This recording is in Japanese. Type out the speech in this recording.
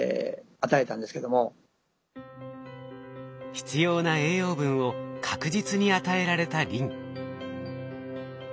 必要な栄養分を確実に与えられたリン。